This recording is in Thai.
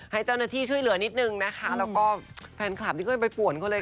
ให้เจ้าหน้าที่ช่วยเหลือนิดนึงนะคะแล้วก็แฟนคลับที่เคยไปป่วนเขาเลย